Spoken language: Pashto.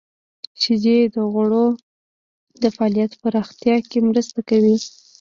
• شیدې د غړو د فعالیت په پراختیا کې مرسته کوي.